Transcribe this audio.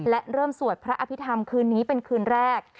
และเริ่มสวดพระอภิษฐรรมคืนนี้เป็นคืนแรก